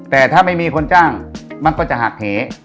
แต่ถ้าไม่มีคนจ้างมันก็จะหักเห